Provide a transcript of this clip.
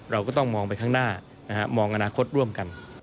เราก็ต้องมองไปข้างหน้ามองอนาคตร่วมกัน